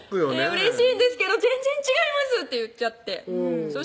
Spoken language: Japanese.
「うれしいんですけど全然違います」って言っちゃってそ